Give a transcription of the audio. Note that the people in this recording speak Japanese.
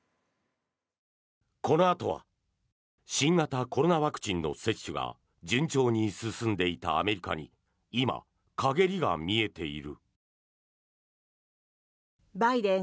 このあとは新型コロナワクチンの接種が順調に進んでいたアメリカに今、陰りが見えている。